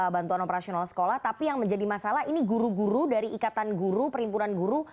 bantuan operasional sekolah tapi yang menjadi masalah ini guru guru dari ikatan guru perimpunan guru